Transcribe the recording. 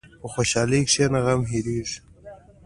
په خوشحالۍ کښېنه، غم هېرېږي.